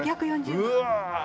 うわ！